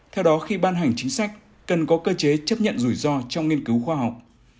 theo đó khi ban hành chính sách cần có cơ chế chấp nhận rủi ro trong nghiên cứu khoa học